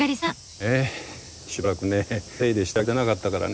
ええしばらくね手入れしてあげてなかったからね。